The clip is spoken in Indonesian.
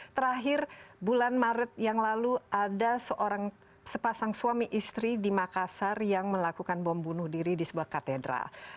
terakhir bulan maret yang lalu ada sepasang suami istri di makassar yang melakukan bom bunuh diri di sebuah katedral